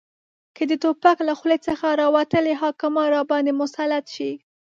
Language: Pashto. که د توپک له خولې څخه راوتلي حاکمان راباندې مسلط شي